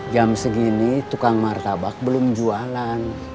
jam segini tukang martabak belum jualan